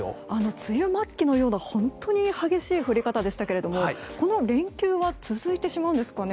梅雨末期のような本当に激しい降り方でしたがこの連休は続いてしまうんですかね。